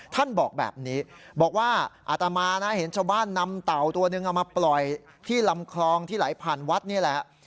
ท่านบอกแบบนี้บอกว่าอาตมานะเห็นชาวบ้านนำเต่าตัวนึงเอามาปล่อยที่ลำคลองที่ไหลผ่านวัดนี่แหละ